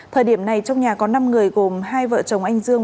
thời điểm này trong nhà có năm người gồm hai vợ chồng anh dương